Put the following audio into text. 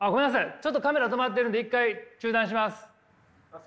ちょっとカメラ止まってるんで一回中断します。